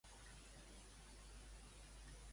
Has tastat mai el xapadillo?